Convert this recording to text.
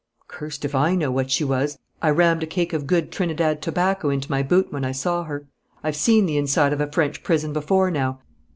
'Cursed if I know what she was. I rammed a cake of good Trinidad tobacco into my boot when I saw her. I've seen the inside of a French prison before now.